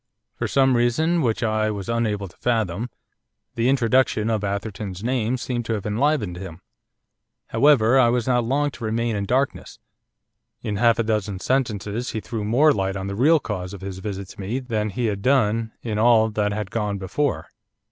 For some reason, which I was unable to fathom, the introduction of Atherton's name seemed to have enlivened him. However, I was not long to remain in darkness. In half a dozen sentences he threw more light on the real cause of his visit to me than he had done in all that had gone before.